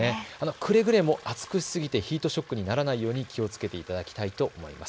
くれぐれも熱くしすぎてヒートショックにならないように気をつけていただきたいと思います。